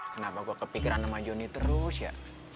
kenapa gue kepikiran sama joni terus ya